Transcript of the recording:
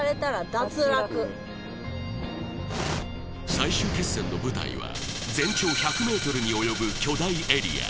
最終決戦の舞台は全長１００ｍにおよぶ巨大エリア